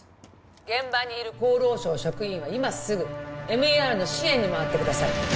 現場にいる厚労省職員は今すぐＭＥＲの支援に回ってください